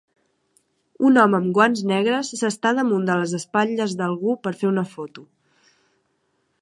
Un home amb guants negres s'està damunt de les espatlles d'algú per fer una foto.